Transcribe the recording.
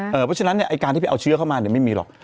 เพราะฉะนั้นเนี่ยไอ้การที่ไปเอาเชื้อเข้ามาเนี่ยไม่มีหรอก